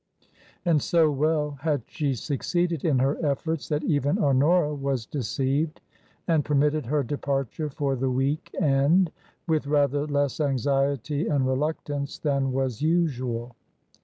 And so well had she succeeded in her efforts that even Honora was deceived, and permitted her departure for the week end with rather less anxiety and reluctance than was usual.